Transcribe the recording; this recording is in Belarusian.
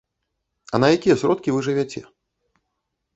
А на якія сродкі вы жывяце?